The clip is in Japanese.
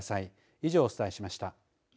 以上お伝えしました。